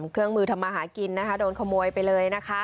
เครื่องมือทำมาหากินนะคะโดนขโมยไปเลยนะคะ